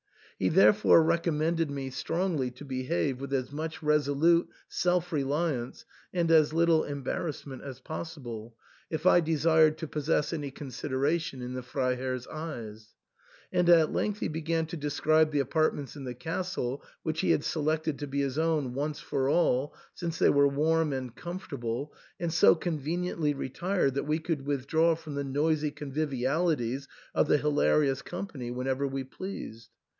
He therefore recommended me strongly to behave with as much resolute self reliance and as little em barrassment as possible, if I desired to possess any consideration in the Freiherr's eyes ; and at length he began to describe the apartments in the castle which he had selected to be his own once for all, since they were warm and comfortable, and so con veniently retired that we could withdraw from the noisy convivialities of the hilarious company whenever we pleased.